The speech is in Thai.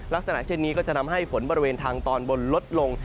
ลักษณะเช่นนี้ก็จะทำให้ฝนบริเวณทางตอนบนลดลง